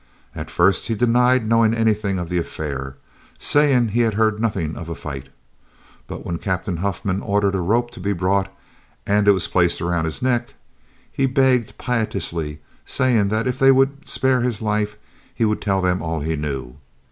At first he denied knowing anything of the affair, saying he had heard nothing of a fight. But when Captain Huffman ordered a rope to be brought and it was placed around his neck, he begged piteously, saying that if they would spare his life he would tell them all he knew.